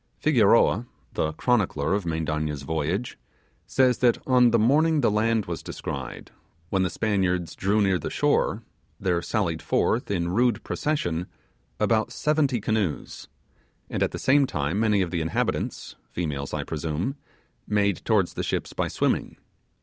Figueroa, the chronicler of Mendanna's voyage, says, that on the morning the land was descried, when the Spaniards drew near the shore, there sallied forth, in rude progression, about seventy canoes, and at the same time many of the inhabitants (females I presume) made towards the ships by swimming.